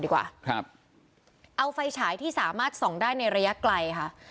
ดีกว่าครับเอาไฟฉายที่สามารถส่องได้ในระยะไกลค่ะ